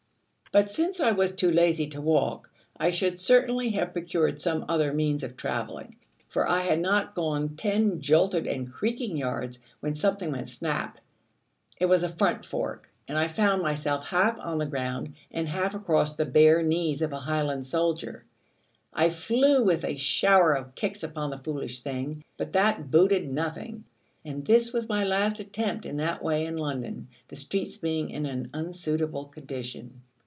But since I was too lazy to walk, I should certainly have procured some other means of travelling, for I had not gone ten jolted and creaking yards, when something went snap it was a front fork and I found myself half on the ground, and half across the bare knees of a Highland soldier. I flew with a shower of kicks upon the foolish thing: but that booted nothing; and this was my last attempt in that way in London, the streets being in an unsuitable condition.